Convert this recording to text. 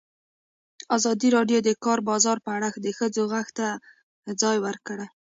ازادي راډیو د د کار بازار په اړه د ښځو غږ ته ځای ورکړی.